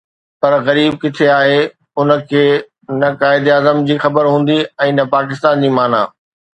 پر غريب ڪٿي آهي، ان کي نه قائداعظم جي خبر هوندي ۽ نه پاڪستان جي معنيٰ.